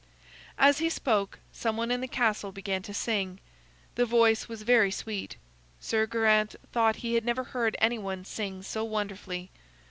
As he spoke, some one in the castle began to sing. The voice was very sweet. Sir Geraint thought he had never heard anyone sing so wonderfully.